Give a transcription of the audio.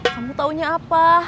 kamu tahunya apa